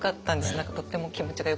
何かとっても気持ちがよくて。